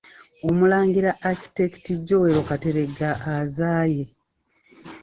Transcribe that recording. Omulangira Architect Joel Kateregga azaaye.